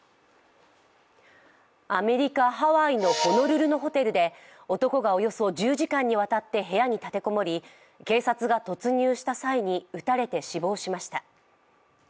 アメリカ・ハワイのホノルルのホテルで男がおよそ１０時間にわたって部屋に立て籠もり警察が突入した際に撃たれて死亡しました。